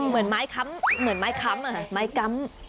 เหมือนไม้ค้ำเหมือนไม้ค้ำไม้กำ